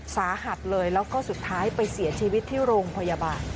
สาหัสเลยแล้วก็สุดท้ายไปเสียชีวิตที่โรงพยาบาล